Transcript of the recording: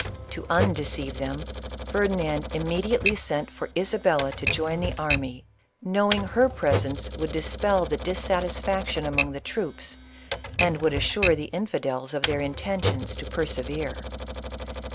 To undeceive them, Ferdi nand immediately sent for Isabella to join the army, knowing her presence would dispel the dissatisfaction among the troops, and would assure the infidels of their intentions to persevere.